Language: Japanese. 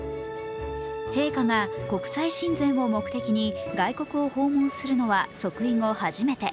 陛下が国際親善を目的に外国を訪問するのは即位後初めて。